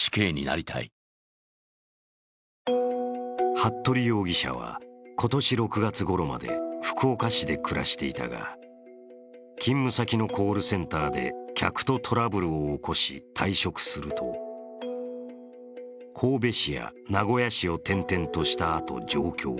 服部容疑者は今年６月ごろまで福岡市で暮らしていたが勤務先のコールセンターで客とトラブルを起こし退職すると、神戸市や名古屋市を転々としたあと上京。